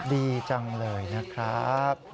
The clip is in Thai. ดีจังเลยนะครับ